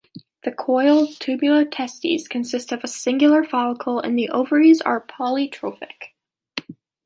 The coiled, tubular testes consist of a single follicle, and the ovaries are polytrophic.